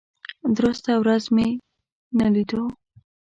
درسته ورځ مې نه لیدو.